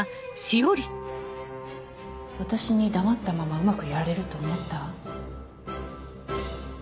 私に黙ったままうまくやれると思った？